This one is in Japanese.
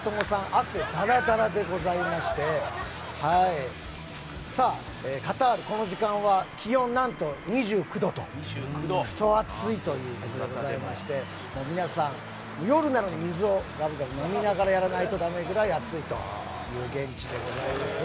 汗ダラダラでございましてカタール、この時間は気温何と２９度とくそ暑いということでして皆さん、夜なのに水をがぶがぶ飲みながらやらないとだめぐらい暑いという現地でございます。